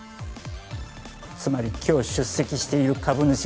つまり今日出席している株主